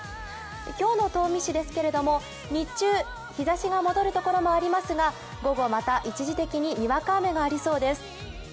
今日の東御市ですけれども日中日ざしが戻るところもありますが午後、また一時的ににわか雨がありそうです。